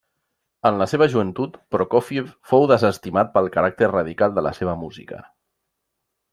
En la seva joventut, Prokófiev fou desestimat pel caràcter radical de la seva música.